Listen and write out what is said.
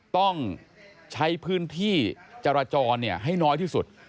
ต้องใช้พื้นที่จราจรให้น้อยที่สุด